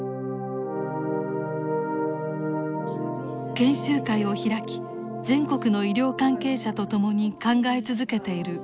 研修会を開き全国の医療関係者と共に考え続けている医師がいます。